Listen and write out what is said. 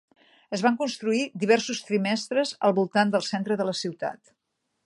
Es van construir diversos trimestres al voltant del centre de la ciutat.